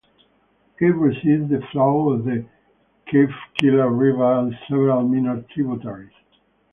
It receives the flow of the Calfkiller River and several minor tributaries.